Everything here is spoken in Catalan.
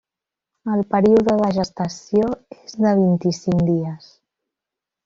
El període de gestació és de vint-i-cinc dies.